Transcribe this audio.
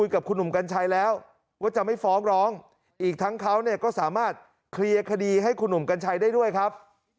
เคลียร์คดีให้คุณหนุ่มกัญชัยได้ด้วยครับ